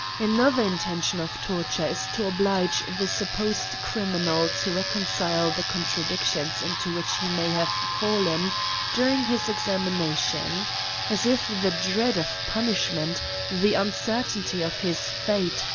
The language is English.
Another intention of torture is to oblige the supposed criminal to reconcile the contradictions into which he may have fallen during his exami nation ; as if the dread of punishment, the uncer tainty of his fate.